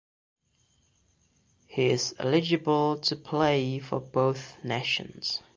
He is eligible to play for both nations.